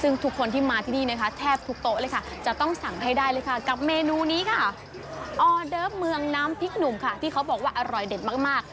น้ำพริกหนุ่มค่ะที่เขาบอกว่าอร่อยเด็ดมาก